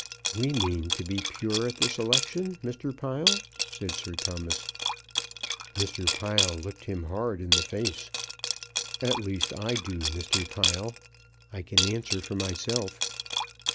"We mean to be pure at this election, Mr. Pile," said Sir Thomas. Mr. Pile looked him hard in the face. "At least I do, Mr. Pile. I can answer for myself."